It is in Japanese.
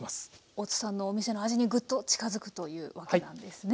大津さんのお店の味にグッと近づくというわけなんですね。